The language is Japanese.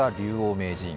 名人。